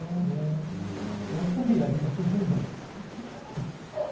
やっぱり、やりたくないんだもん。